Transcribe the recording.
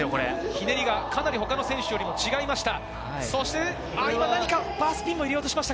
ひねりがかなり他の選手よりも違いました。